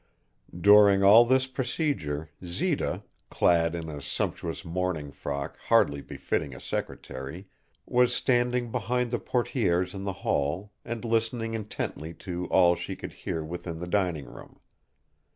During all this procedure Zita, clad in a sumptuous morning frock hardly befitting a secretary, was standing behind the portières in the hall and listening intently to all she could hear within the dining room.